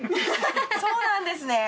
そうなんですね！